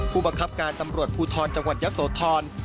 ผู้บังคับการตำรวจภูทรจังหวัดยะโสธร